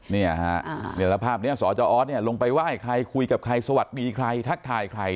นี่แหละภาพนี้สอลงไปไหว้ใครคุยกับใครสวัสดีใครทักทายใคร